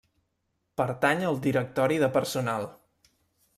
Pertany al Directori de Personal.